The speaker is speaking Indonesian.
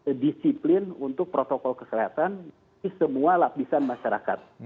kita disiplin untuk protokol kesehatan di semua lapisan masyarakat